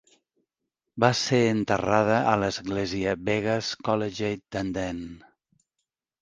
Va ser enterrada a l'església Begga's Collegiate d'Andenne.